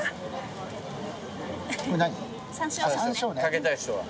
掛けたい人は？